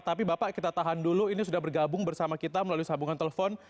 tapi bapak kita tahan dulu ini sudah bergabung bersama kita melalui sambungan telepon